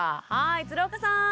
鶴岡さん。